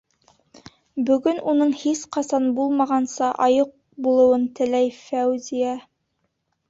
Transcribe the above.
Бөгөн уның һис ҡасан булмағанса айыҡ булыуын теләй Фәүзиә.